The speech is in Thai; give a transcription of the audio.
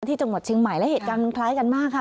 ที่จังหวัดเชียงใหม่และเหตุการณ์มันคล้ายกันมากค่ะ